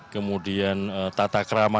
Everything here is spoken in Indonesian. kemudian tata kerama